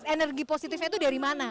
energi positifnya itu dari mana